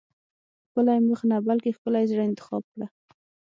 ښکلی مخ نه بلکې ښکلي زړه انتخاب کړه.